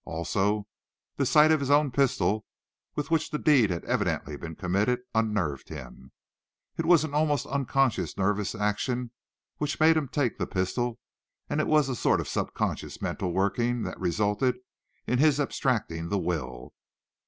Also the sight of his own pistol, with which the deed had evidently been committed, unnerved him. It was an almost unconscious nervous action which made him take the pistol, and it was a sort of subconscious mental working that resulted in his abstracting the will.